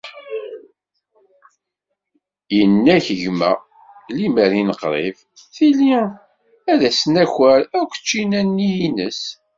Inna-k gma, limmer i neqrib, tilli ad as-d-naker akk ččina-inni ines.